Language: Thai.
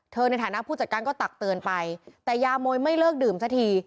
ในฐานะผู้จัดการก็ตักเตือนไปแต่ยามวยไม่เลิกดื่มสักที